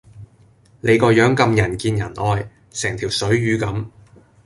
你個樣咁人見人愛，成條水魚咁